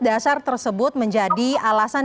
dasar tersebut menjadi alasan